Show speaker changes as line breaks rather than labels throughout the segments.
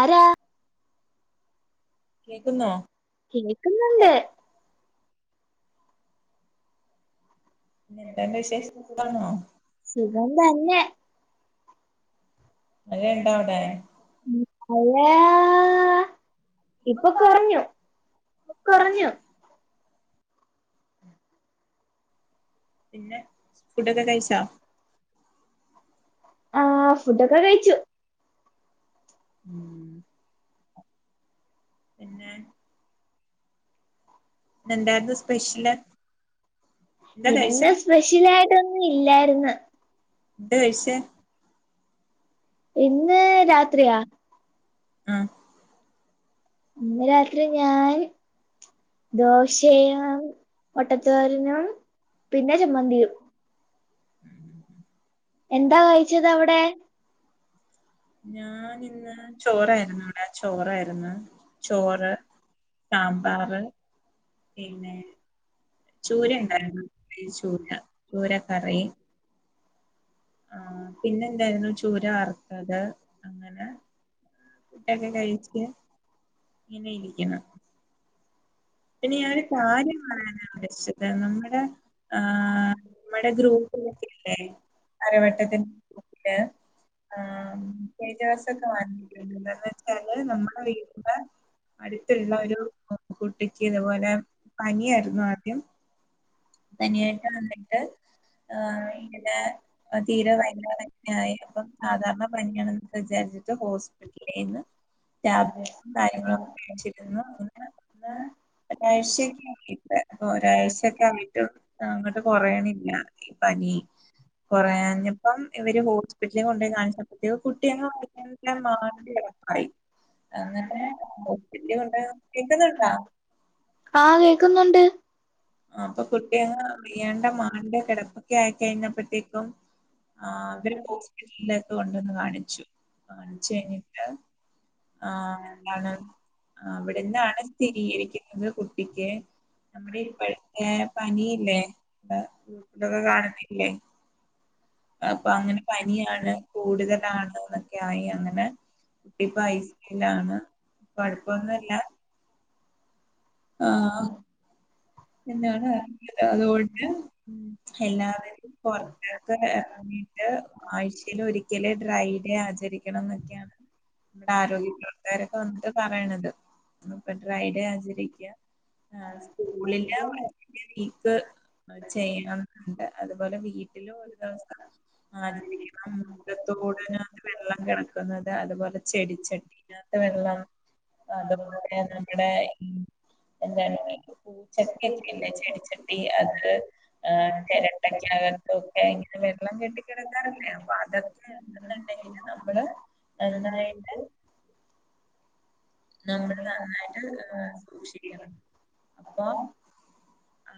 ആരാ? കേക്കുന്നേ, കേക്കുന്നുണ്ട്. എന്തോ ഉണ്ട് വിശേഷം? സുഖാണോ? സുഖം തന്നെ. മഴണ്ടോ അവിടെ? മഴാ ഇപ്പൊ കൊറഞ്ഞു, കൊറഞ്ഞു
പിന്നെ, ഫുഡൊക്കെ കഴിച്ചോ?
ആഹ്, ഫുഡൊക്കെ കഴിച്ചു.
ഉം. പിന്നെ,
ഇന്ന് എന്തായിരുന്നു ഫിഷിന്? പിന്നെ, ഫി ഫിഷിനായിട്ടൊന്നും ഇല്ലായിര്ന്ന്.
എന്താ കഴിച്ചേ?
ഇന്ന് രാത്രിയാ
ആഹ്.
ഇന്ന് രാത്രി ഞാൻ ദോശയും വട്ടത്തോരനും പിന്നെ ചമ്മന്തിയും.
ഉം
എന്താ കഴിച്ചത് അവിടെ
ഞാൻിന്ന് ചോറായിരുന്നു ഇവിടെ ചോറായിരുന്നു ചോറ് സാമ്പാറ് പിന്നെ ചൂര ഉണ്ടായി ചൂര ചൂര കറി ആഹ പിന്നെ എന്തായിരുന്നു ചൂര അറുത്തത് അങ്ങനെ ഫുട്ടൊക്കെ കഴിച്ച് ഇങ്ങനെ ഇരിക്കണം
ഇ ഞ കാ
നമ്മുടെ ആ നമ്മ ഗ്രൂപ്പ്
ഉം
അരവട്ടത്തിൽ ആ വിദ്യസംൊക്കെ മാ എന്തന്ന് വെച്ചാല് നമ്മുടെ വീട്ടില് അടുത്തുള്ള ഒരു കുട്ടിക്ക് അതുപോലെ പനി അറിുന്നാദ്യും തനിയായിട്ട് വന്നിട്ട് ആ
അ
തീരെ വയങ്ക തന്നെയായി അപ്പം സാധാരണ പനിയാണെന്ന് വിചാരിച്ചിട്ട് ഹോസ്പിറ്റലൽന്ന് ാബ് കാര്യങ്ങളൊക്കെിരുന്നു എന്ന ഒരാഴ്ചക്ക ഒരാഴ്ചക്ക ആ അങ്ങോട്ട് കൊറയണില്ല ഈ പനി കൊറേഞ്ഞപ്പം ഇവര് ഹോസ്പിറ്റലിൽ കൊണ്ടപോയി കാണിച്ച കുട്ടി അങ്ങനെ കൊണ്ട് കേക്കുന്നുണ്ടാ
ആഹ് കേക്കുന്നുണ്ട്
ആ അപ്പൊ കുട്ടിയ അറ്യാണ്ട മന്റെ കിടപ്പൊക്കെ ആയിക്കഴിഞ്ഞപ്പോത്തേക്കും ആ അവര് ഹോസ്പിറ്റലിലേക്ക് കൊണ്ടുവന്ന് കാണിച്ചു കാണിച്ചു കഴിഞ്ഞിട്ട് ആഹ അ ആ അവിടെന്ന്ാണ് സ്ഥിരീകരിക്ക കുട്ടിക്ക് നമ്മുടെ ഇപ്പോഴത്തെ പനിയില്ലേ വൊക്കെ കാരണംല്ലേ അപ്പൊ അങ്ങനെ പനിയാണ് കൂടുതലാണ് അൊക്കെയി അങ്ങനെ കുട്ടിപ്പ അയിസല്ലാണ്പ്പ കുഴപ്പൊന്നുമല്ല ആഹ എന്നാണ് അത് അതുകൊണ്ട് ഉ എല്ലാവരും പുൊറത്തൊക്കെ ഇറങ്ങിട്ട് ആഴ്ചൽ ഒരിക്കല ഡ്രൈഡേ ആചരിക്കണം എന്നൊക്കെയാണ് നമ്മുടെ ആരോഗ്യ പ്ര്രവർത്താരൊക്കെ വന്നിട്ട് പറയണത്പ്പൊ ഡ്രൈഡേ ആചരിക്ക ആഹ സ്കൂളില്ല ചെയ്യണംുണ്ട് അതുപോലെ വീട്ടിലും ഒരു ദിവസം ആചരിക്കണം മുത്തത്തോടതിനകത്ത് വെള്ളം കിടക്കുന്നത് അതുപോലെ ചെടിച്ചട്ടീകത്ത് വെള്ളം അതുപോലെ നമ്മുടെ എന്ത ചട്ടി എക്കല്ലെ ചെടി ചട്ടി അത് ് ചിരട്ടക്കകത്തൊക്കെ ഇങ്ങനെ വെള്ളം കെട്ടിിക്കിടക്കാറില്ലേ അതൊക്കെ എുന്നുണ്ടെങ്കില് നമ്മള് നന്നായിട്ട് നമ്മൾ നന്നായിട്ട് ഏർ സൂക്ഷിക്കണം അപ്പൊ ആ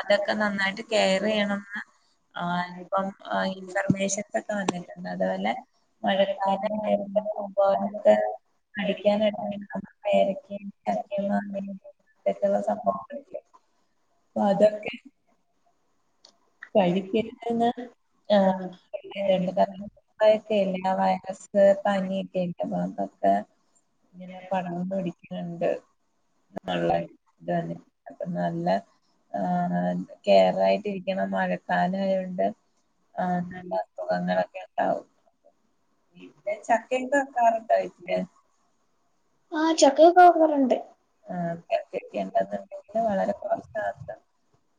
അതൊക്കെ നന്നായിട്ട് കെയർ ചെയ്യണംന്ന് ആ ഇപ്പം ഇൻഫർമേഷൻൊക്കെ വന്നിട്ടുണ്ട് അതുപോലെ
അനക്കാര എാലക്ക
പഠിക്കാനട പരക്കുംക്ക ഇതക്കെയുള്ള സംഭവങ്ങളല്ലേ അ അതക്കെ കഴിക്കന്ന് ആ ണ്ട് കാരണംക്കല്ല വയറസ്സ് പനിിയൊക്കെല്ലാ ഇങ്ങനെ പടം പിടിക്കാനണ്ട് ഇത് തന്നെ അപ്പൊ നല്ല ആ കെയർ ആായിട്ട് [unintelligible] മഴക്കാലായൊണ്ട് ആ നല്ല സുഖങ്ങളൊക്കെ ഉണ്ടാവും. വീട്ടിൽ ചക്കക്കെ വെക്കാറുണ്ടോ വീട്ടില്.
ആ ചക്കയൊക്കെ വെക്കാറുണ്ട്
ആ ചക്ക ഒക്കെ ഉണ്ടെന്ന് ഉണ്ടങ്കില് വളരെ കുറച്ച് മാത്രം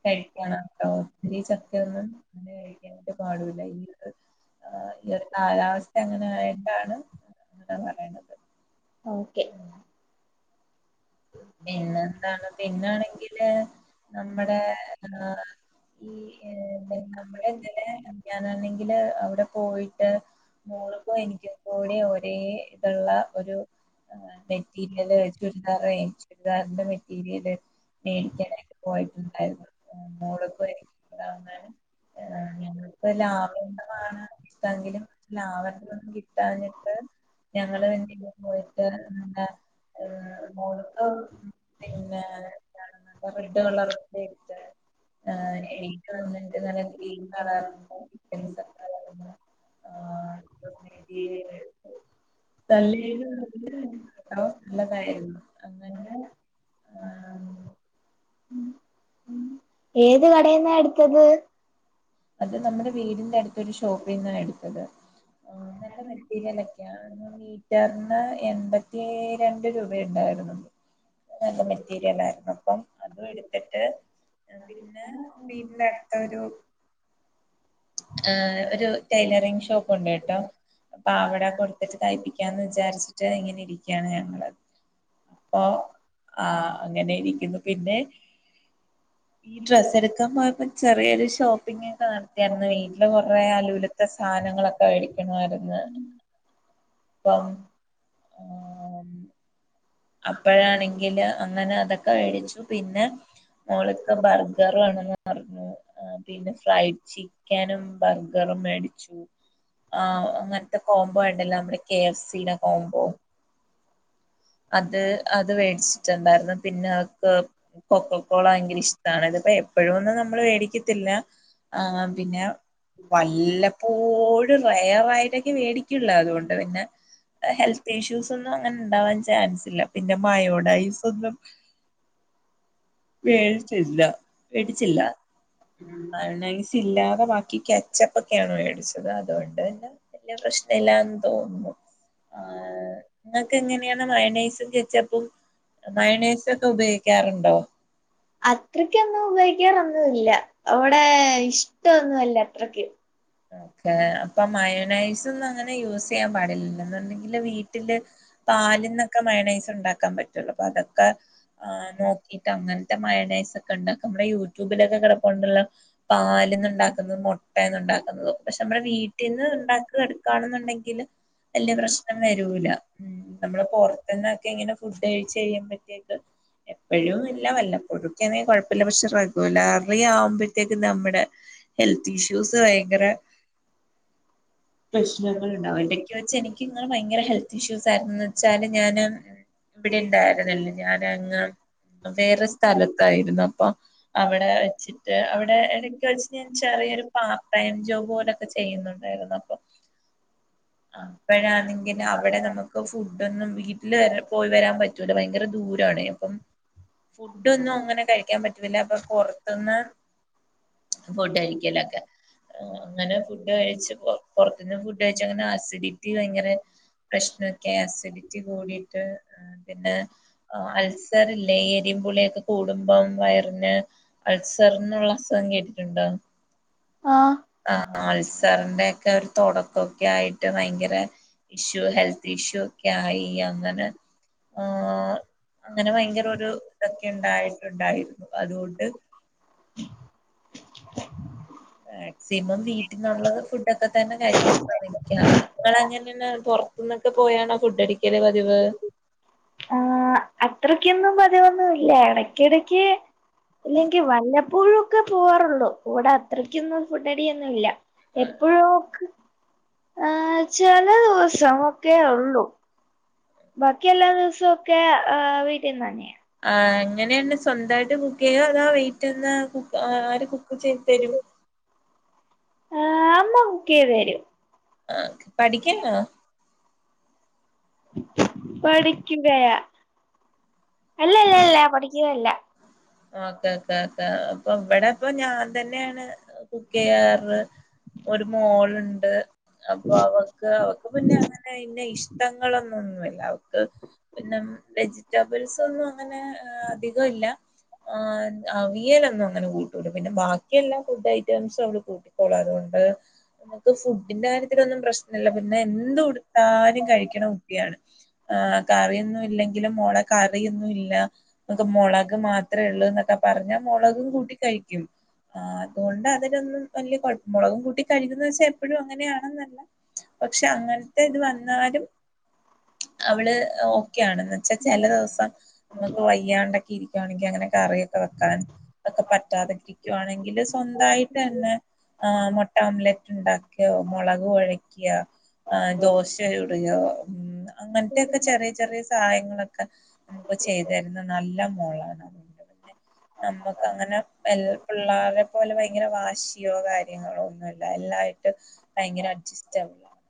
കഴിക്കണം. ഒത്തിരി ചക്കയൊന്നും [unintelligible] അങ്ങനെ കഴിക്കാനായിട്ട് പാടില്ല ഈ ഈ ഒരു കാലാവസ്ഥ അങ്ങനൊയിട്ടാണ് [unintelligible]
ഓക്കെ.
പിന്നെ എന്താണ് പിന്നാണെങ്കില് നമ്മുടെ [unintelligible] ഈ ഏ പിന്നെ [unintelligible] ഉണ്ടങ്കില് അവിടെ പോയിട്ട്. മോളിപ്പോ എനിക്ക് കൂടി ഒരേ ഇതുള്ള ഒരു ആ മെറ്റീരിയല് ചുരിദാറെ ചുരിദാറിന്റെ മെറ്റീരിയല്. മേടിക്കാനായിട്ട് പോയിട്ടുണ്ടായിരുന്നു ഉം മോളിപ്പോ എനിക്കും കൂഡ [unintelligible]
ആ അങ്ങന.
അത് ലാഭം ആണ് എന്തെങ്കിലും ലാഭം [unintelligible] കിട്ടഞ്ഞിട്ട്. ഞങ്ങള് [unintelligible] വണ്ടി പോയിട്ട് എന്ത ഏ ഒ.
എഹ്
പിന്നെ എന്താണെന്ന് [unintelligible] ബെഡ് [unintelligible]
ആ എനിക്ക് [unintelligible] ആ
മെറ്റീരിയൽ തള്ളി [unintelligible] തോ നല്ലതായിരുന്നു. അങ്ങനെ ആഹ.
ഏത് കടയിന്നാ എടുത്തത്?
അത് നമ്മുടെ വീടിന്റെ അടുത്ത് ഒരു ഷോപ്പിന്നാ എടുത്തത്. ആ നല്ല മെറ്റീരിയൽ ഒക്കെയ മീറ്ററിന് എൺപത്തിഏ രണ്ട് രൂപഉണ്ടായിരുന്നു. [unintelligible] നല്ല മെറ്റീരിയൽ ആയിരുന്നു അപ്പം അതും എടുത്തിട്ട്. പിന്നെ വീടിന്റെ അടുത്ത ഒരു. ആഏ ഒരു ടൈലറിങ് ഷോപ്പ് ഉണ്ട് കേട്ടോ. അപ്പൊ അവിടെ കൊടുത്തിട്ട് തയിപ്പിക്കാമെന്ന് വിചാരിച്ചിട്ട് ഇങ്ങനെ ഇരിക്കയാണ് ഞങ്ങള് അപ്പൊ ആഹ അങ്ങനെ ഇരിക്കുന്നു പിന്നെ. ഈ ഡ്രസ്സ് എടുക്കാൻ പോയപ്പോ ചെറിയൊരു ഷോപ്പിംങ്ങ് കാണ നഎനിക്ക് അന്ന് വീട്ടില് കൊറെേ അലൂലത്തെ സാധനങ്ങളൊക്കെ വേടിക്കണമായിരുന്ന് അപ്പം ആം അപ്പോഴാണെങ്കില് അങ്ങനെ അതൊക്കെ വേടിച്ചു പിന്ന മോളൊക്കെ ബർഗർ വേണെന്ന് പറഞ്ഞു പിന്നെ ഫ്രൈഡ് ചിക്കനും ബർഗർ. മേടിച്ചു. ആഹ അങ്ങനത്തെ കോംബോ ഉണ്ടല്ലോ നമ്മുടെ കെ എഫ് സിയുടെ കോംബോ. അത് അത് മേടിച്ചു. ണ്ടായിരുന്നു പിന്നെ അവക്ക് കൊക്ക കോള ഭയങ്കര ഇഷ്ടമാണ് ഇത്പ്പ എപ്പോഴും ഒന്നും നമ്മൾ മേടിക്കത്തില്ല. ല്ല ആ പിന്നെ. വല്ലപ്പോഴും റയറ ആയിട്ടൊക്കെ മേടിക്കുള്ളു അതുകൊണ്ട് പിന്നെ. ഹെൽത്ത് ഇഷ്യൂസ് ഒന്നും അങ്ങനെ ഉണ്ടാവാൻ സ ചാൻസ് ഇല്ല പിന്നെ മയോണൈയ്സ് ഒന്നും. മേടിച്ചില്ല മേടിച്ചില്ല. ഉം മയോണൈയ്സ് ഇല്ലാതെ ബാക്കി കച്ചപ്പ് ഒക്കെയാണ് മേടിച്ചത് അതുകൊണ്ട് തന്നെ. വലിയ പ്രശ്നം ഇല്ലന്ന് തോന്നുന്നു ആ നിങ്ങൾക്ക് എങ്ങനെയാ. മയോണൈസും കെച്ചപ്പും മയോ ണൈസൊക്കെ ഉപയോഗിക്കാറുണ്ടോ?
അത്രക്കൊന്നും ഉപയോഗിക്കാറൊന്നുമില്ല അവിടെ ഇഷ്ടൊന്നും അല്ല അത്രക്ക്.
ഓക്കെ അപ്പൊ മയോനൈസ് ഒന്നും അങ്ങനെ യൂസ് ചെയ്യാൻ പാടില്ലോ ണ്ടെങ്കില് വീട്ടില് പാലന്നൊക്കെ മയണൈസ് ഉണ്ടാക്ക ക്കാൻ പറ്റുള്ളൂ അപ്പൊ അതൊക്കെ നോക്കിയിട്ട് അങ്ങനത്തെ മയണേസ് ഒക്കണ്ടാക്ക നമ്മളെ യൂട്യൂബിലൊക്കെ റ കൊണ്ട്ള്ള പാൽന്ന്ണ്ടാക്കുന്നത് മൊട്ടേന്ന്ണ്ടാക്ക് പക്ഷെ നമ്മളെ വീട്ടിന്ന് ഇണ്ടാക്ക എടുക്കാണ്ന്ന്ണ്ടെങ്കില് വല്യ പ്രശ്നം വരൂല ഉം നമ്മള് പൊർ ത്ത്ന്നൊക്കെ ഇങ്ങനെ ഫുഡ് കഴിച്ച് ചെയ്യുമ്പത്തേക്ക് എപ്പോഴും ഇല്ല വല്ലപ്പോഴെക്കേണെ കുഴപ്പല്ല പക്ഷെ റെഗുലറി ആവുമ്പോഴ്ത്തേക്ക് നമ്മുടെ ഹെൽത്ത് ഇഷ്യൂസ് ഭയങ്കര പ്രശ്നങ്ങൾണ്ടാവും എടക്ക് വെച്ച എനിക്ക്ങ്ങളെ ഭയങ്കര ഹെൽത്ത് ഇഷ്യൂസ് ആയിരുന്ന് വെച്ചാല് ഞാൻ ഇവിടെ ഇണ്ടായിരുന്നില്ലേ ഞാനങ്ങ് വേറെ സ്ഥലത്തായിരുന്നു അപ്പൊ അവിടെ വെച്ചിട്ട് അവിടെ എടക്ക് വെച്ച് ഞാൻ ഛർ രു പാർട്ട് ടൈം ജോബ് പോലൊക്കെ ചെയ്യുന്നുണ്ടായിരുന്നു അപ്പൊ അപ്പോഴാണെങ്കിൽ അവിടെ നമുക്ക് ഫുഡൊന്നും വീട്ടിൽ വര പോയി വരാൻ പറ്റൂല ഭയങ്കര ദൂരാണയ് അപ്പം ഫുഡൊന്നും അങ്ങനെ കഴിക്കാൻ പ വില്ല അപ്പൊ പൊർത്ത്ന്ന് ഫുഡ് കഴിക്കലൊക്കെ അങ്ങനെ ഫുഡ് കഴിച്ചു പ്പൊ പുറത്തുനിന്ന് ഫുഡ് കഴിച്ച് അങ്ങനെ ആസിഡിറ്റി ഭയങ്കര പ്രശ്നൊക്കെ അസിഡിറ്റി കൂടിട്ട് പിന്നെ അൾസർ ഇല്ലേ ഈ എരിം പുളിയൊക്കെ കൂടുമ്പം വയറിന് അൾസറിനുള്ള അസുഖം കേട്ടിട്ടുണ്ടോ ആ അൾസർന്റെ ഒക്കെ ഒരു തുടക്കൊക്കെ ആയിട്ട് ഭയങ്കര ഇഷ്യൂ ഹെൽത്ത് ഇഷ്യൂ ഒക്കെയായി അങ്ങനെ
[unintelligible]
അങ്ങനെ ഭയങ്കര ഒരു ഇതൊക്കെ ഉണ്ടായിട്ടുണ്ടായിരുന്ന് അതുകൊണ്ട് മാക്സിമം വീട്ടിനുള്ളത് ഫുഡ് ഒക്കെ തന്നെ കഴിക്കാൻ ശ്രമിക്ക നിങ്ങളങ്ങനെന്ന പൊ പുറത്ത്ന്നൊക്കെ പോയാണോ ഫുഡ് അടിക്കല് പതിവ്
ആ അത്രക്കൊന്നും പതിവൊന്നു ഇല്ല ഇടക്കിടക്ക് അല്ലെങ്കിൽ വല്ലപ്പോഴും ക്കെ പോവാറുള്ളൂ കൂടെ അത്രക്കൊന്നും ഫുഡടിയൊന്നും ഇല്ല എപ്പോഴുക്ക് ആ ചില ദിവസമൊക്കെ ഉള്ളു ബാക്കി എല്ലാ ദിവസവൊക്കെ വീട്ട്ന്ന് തന്നെയാ
ആ എങ്ങനെയാണ് സ്വന്തായിട്ട് കുക്ക് യ്യോ അതാ വെയിറ്റ്ന്ന് കുക്ക് ആര് കുക്ക് ചെയ്തു തരും
ആ അമ്മ കുക്കെയ്ത് തരും
ആ പഠിക്കാണോ
പഠിക്കുകയാ അല്ലല്ല അല്ല പഠിക്കുകല്ല
ഓക്കെ ക്കേ ക്കേ അപ്പ ഇവടെ ഇപ്പൊ ഞാൻ തന്നെയാണ് കുക്ക് യ്യാറ് ഒരു മോൾ ഉണ്ട് അപ്പൊ അവക്ക് അവക്ക് പിന്നെ അങ്ങനെന്നെ ഇഷ് ട്ടങ്ങളൊന്നും ഒന്നുമില്ല അവക്ക് പിന്നെ വെജിറ്റബിൾസ് ഒന്നും അങ്ങനെ അധികം ഇല്ല ആ അവിയലൊന്നും അങ്ങനെ കൂട്ടൂല പിന്നെ ബാക്കിയെല്ലാ ഫുഡ് ഐറ്റംസും അവള് കൂട്ടിക്കോളും അതുകൊണ്ട് ണ്ട് നമുക്ക് ഫുഡിന്റെ കാര്യത്തിലൊന്നും പ്രശ്നല്ല പിന്നെ എന്ത് കൊടുത്താലും കഴിക്ക്ണ കുട്ടിയാണ് ആ കറിയൊന്നും ഇല്ലെങ്കിലും മോളെ കറിയൊന്നും ഇല്ല നമുക്ക് മുളക് മാ ത്രേ ഉള്ളൂ എന്നൊക്കെ പറഞ്ഞാ മുളകും കൂട്ടി കഴിക്കും ആ അതുകൊണ്ട് അതിനൊന്നും വല്യ കൊഴ മുളകും കൂട്ടി കഴുകുന്ന് വെച്ച എപ്പോഴും അങ്ങനെയാണെന്നല്ല പക്ഷെ അങ്ങനത്തെ ഇത് വന്നാലും
[inaudible]
അവള് ഓക്കെയാണ്ന്ന് വെച്ചാ ചില ദിവസം നമുക്ക് വയ്യാണ്ടൊക്കെ ഇരിക്കുകയാണെങ്കിൽ അങ്ങനെ കറിയൊക്കെ വെക്കാൻതൊക്കെ പറ്റാതിരിക്കുയാണെങ്കിൽ സ്വന്തായിട്ട് തന്നെ ആ മൊട്ട ഓംലറ്റ് ഉണ്ടാക്കിയോ മുളക് ഒഴയ്ക്ക ആ ദോശയുടെയോ ഉം അങ്ങനത്തെൊക്കെ ചെറിയ ചെറിയ സഹായങ്ങളൊക്കെ നമുക്ക് ചെയ്ത തരുന്ന നല്ല മോളാണ് അതോണ്ട് നമ്മക്ക് അങ്ങനെ എല്ലാ പിള്ളേരെ പോലെ ഭയങ്കര വാശിയോ കാര്യങ്ങളോ ഒന്ന എല്ലായിും ഭയങ്കര അഡ്ജസ്റ്റബിൾ ആണ്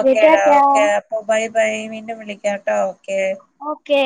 ഓക്കെ ഡാ ഓകെ അപ്പൊ [unintelligible] [unintelligible] വിളിക്കാട്ടോ ഓക്കെ
ഓക്കേ